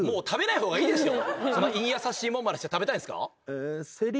胃に優しいもんまでして食べたいんすか？